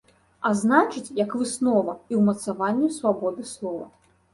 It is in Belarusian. А значыць, як выснова, і ўмацаванню свабоды слова.